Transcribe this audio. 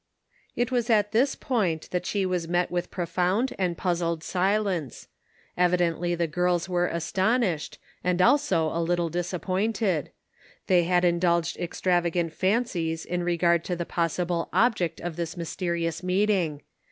It was at this point that she was met with profound and puzzled silence. Evidently the girls were astonished, and also a little disap pointed ; they had indulged extravagant fancies in regard to the possible object of this mys terious meeting.